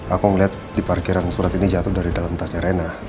aku ngeliat di parkiran surat ini jatuh dari dalam tasnya rena